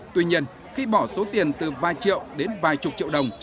tuy nhiên khi bỏ số tiền từ vài triệu đến vài chục triệu đồng